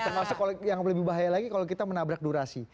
termasuk yang lebih bahaya lagi kalau kita menabrak durasi